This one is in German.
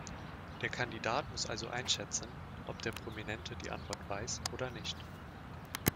Der Kandidat muss also einschätzen, ob der Prominente die Antwort weiß oder nicht.